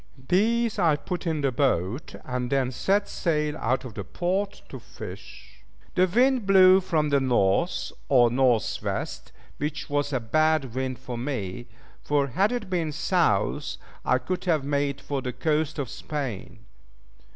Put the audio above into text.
These I put in the boat, and then set sail out of the port to fish. The wind blew, from the North, or North West, which was a bad wind for me; for had it been South I could have made for the coast of Spain.